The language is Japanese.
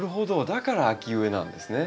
だから秋植えなんですね。